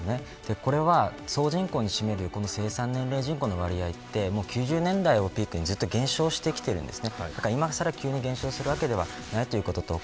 これは、総人口に占める生産年齢人口の割合って９０年代をピークにずっと減少してきているんです。